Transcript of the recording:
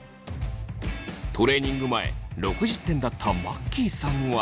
トレーニング前６０点だったマッキーさんは。